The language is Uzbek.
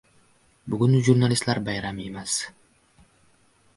Bugun jurnalistlar bayrami emas